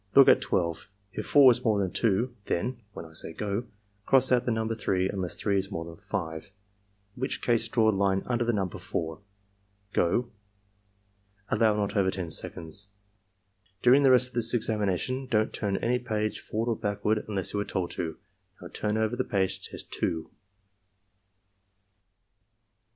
Look at 12. If 4 is more than 2, then (when I say 'go') cross out the number 3 unless 3 is more than 5, in which case draw a line under the niunber 4. — Go!" (Allow not over 10 seconds.) "During the rest of this examination don't turn any page forward or backward unless you are told to. Now turn over the page to Test 2."